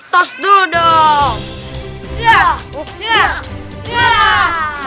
tos dulu dong